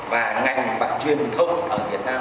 và ngành bản truyền thông ở việt nam